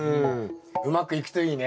うまくいくといいね。